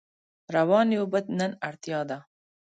روانې اوبه نن اړتیا ده.